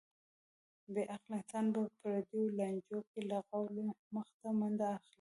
بې عقل انسان به په پردیو لانجو کې له غولو مخته منډه اخلي.